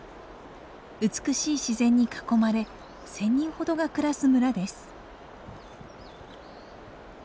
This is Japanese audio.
美しい自然に囲まれ１，０００人ほどが暮らす村です。